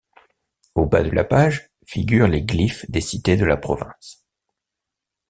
Au bas de la page figurent les glyphes des cités de la province.